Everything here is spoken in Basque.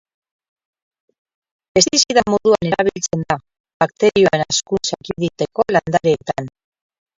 Pestizida moduan erabiltzen da, bakterioen hazkuntza ekiditeko landareetan.